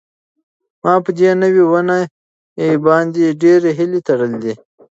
ما په دې نوې ونې باندې ډېرې هیلې تړلې وې.